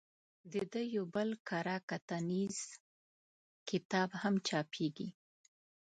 د ده یو بل کره کتنیز کتاب هم چاپېږي.